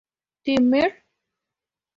Tee, Mr.